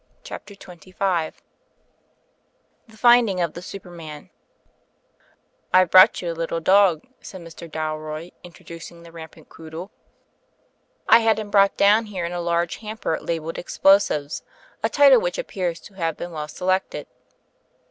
CHAPTER XXV THE FINDING OF THE SUPERMAN 'TvE brought you a little dog/' said Mr. Dalroy, intro ducing the rampant Quoodle. "I had him brought down here in a large hamper labelled 'Explosives/ a title which appears to have been well selected.''